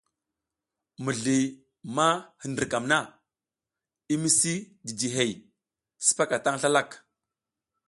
Mizli ma hindrikam na i misi jiji hey, sipaka tan slalak.